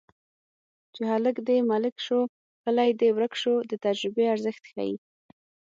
چې هلک دې ملک شو کلی دې ورک شو د تجربې ارزښت ښيي